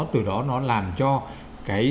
từ đó nó làm cho cái